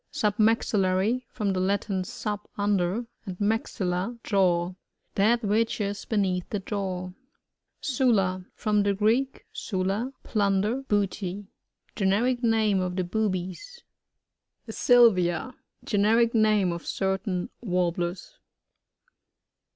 Submaxillary — From the Latin, su^, under, and maxtUa^ jaw. That which is beneath the jaw. SuLA. — From the Greek, stflu, p1nn« der, booty. Generic name of the Boobies. Sylvia. — Generic name of certain Warblers.